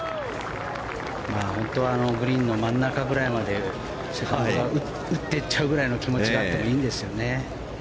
本当はグリーンの真ん中ぐらいまでセカンドは打っていっちゃうぐらいの気持ちがあってもいいんですよね。